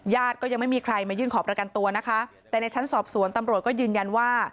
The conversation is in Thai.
ก็ยังไม่มีใครมายื่นขอประกันตัวนะคะแต่ในชั้นสอบสวนตำรวจก็ยืนยันว่า